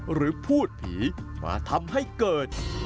หรือพูดผีมาทำให้เกิด